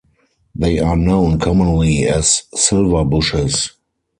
They are known commonly as silverbushes.